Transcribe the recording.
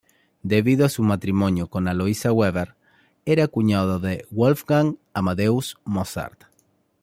Debido a su matrimonio con Aloysia Weber, era cuñado de Wolfgang Amadeus Mozart.